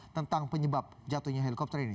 tentang penyebab jatuhnya helikopter ini